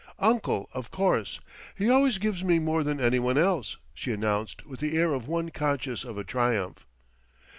"Uncle, of course. He always gives me more than anyone else," she announced with the air of one conscious of a triumph.